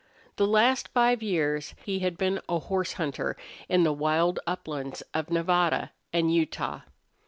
The last five years he had been a horse hunter in the wild uplands of Nevada and Utah.